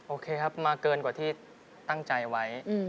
โอเคครับมาเกินกว่าที่ตั้งใจไว้